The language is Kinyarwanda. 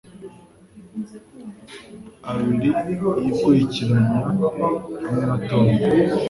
abiri yikurikiranya hamwe na Tom